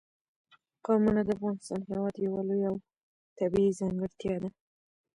قومونه د افغانستان هېواد یوه لویه او طبیعي ځانګړتیا ده.